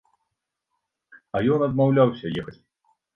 А ён адмаўляўся ехаць.